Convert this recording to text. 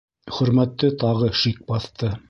Хөрмәтте тағы шик баҫты.